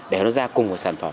để nó ra cùng một sản phẩm